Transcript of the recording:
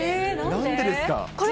なんでですか？